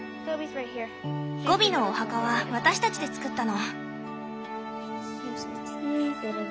ゴビのお墓は私たちで作ったの。